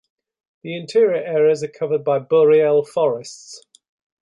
The interior areas are covered by boreal forests.